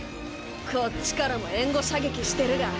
こっちからも援護射撃してるが。